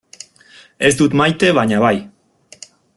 Ez dut maite baina bai.